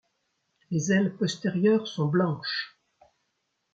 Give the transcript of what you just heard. Les ailes postérieures sont blanches.